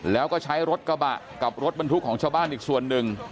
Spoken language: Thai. แล้วก็ใช้รถกระบะกับรถบรรทุกของชาวบ้านอีกส่วนหนึ่ง